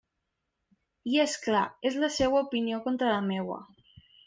I és clar, és la seua opinió contra la meua.